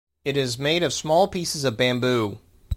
It is made of small pieces of bamboo.